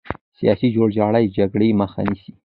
سیاسي جوړجاړی جګړې مخه نیسي